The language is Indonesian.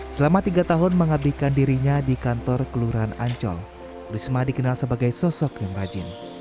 selama tiga tahun mengabdikan dirinya di kantor kelurahan ancol risma dikenal sebagai sosok yang rajin